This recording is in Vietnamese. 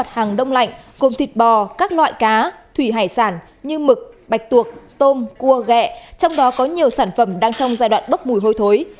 mặt hàng đông lạnh gồm thịt bò các loại cá thủy hải sản như mực bạch tuộc tôm cua gẹ trong đó có nhiều sản phẩm đang trong giai đoạn bốc mùi hôi thối